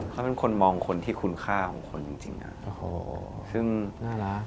เขาเป็นคนมองคนที่คุณค่าของคนจริงอะ